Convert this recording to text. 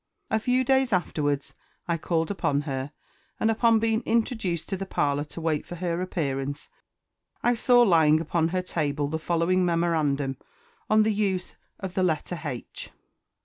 A few days afterwards., I called upon her, and upon being introduced to the parlour to wait for her appearance, I saw lying upon her table the following: MEMORANDUM ON THE USE OF THE LETTER H.